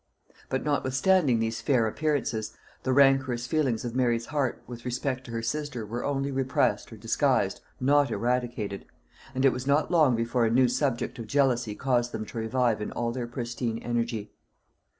But notwithstanding these fair appearances, the rancorous feelings of Mary's heart with respect to her sister were only repressed or disguised, not eradicated; and it was not long before a new subject of jealousy caused them to revive in all their pristine energy.